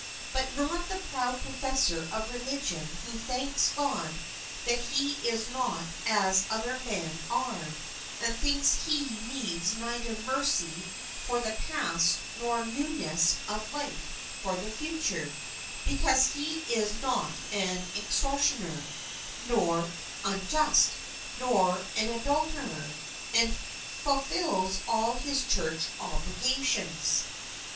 But not the proud professor of religion who thanks God that he is not as other men are, and thinks he needs neither mercy for the past nor newness of life for the future, because he is not an extortioner, nor unjust, nor an adul terer, and fulfils all his church obligations.